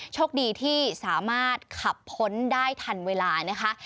โชคดีที่สามารถขับพ้นได้ทันเวลานะคะ